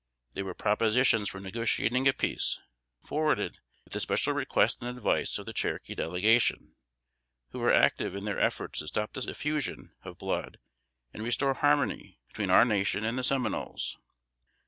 They were propositions for negotiating a peace, forwarded at the special request and advice of the Cherokee Delegation, who were active in their efforts to stop the effusion of blood, and restore harmony between our nation and the Seminoles.